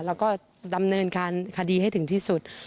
แล้วก็ดำเนินการคดีให้ถึงที่สุด